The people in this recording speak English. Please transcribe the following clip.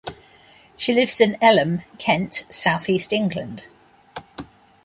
She lives in Elham, Kent, South East England.